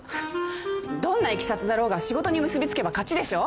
どんないきさつだろうが仕事に結び付けば勝ちでしょう。